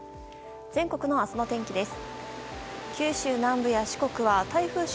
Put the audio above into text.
全国の明日の天気です。